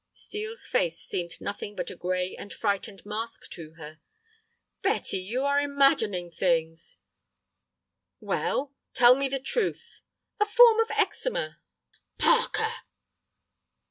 Steel's face seemed nothing but a gray and frightened mask to her. "Betty, you are imagining things—" "Well, tell me the truth." "A form of eczema." "Parker!"